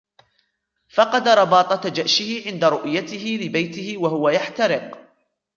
فقد رباطة جأشه عند رؤيته لبيته و هو يحترق.